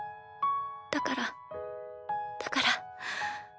だからだから。